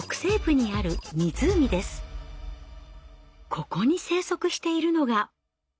ここに生息しているのが。